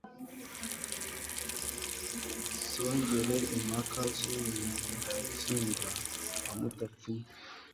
Nsongere impaka z'uyu Musinga wa Mudapfunya